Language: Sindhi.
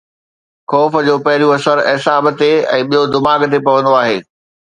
خوف جو پهريون اثر اعصاب تي ۽ ٻيو دماغ تي پوندو آهي.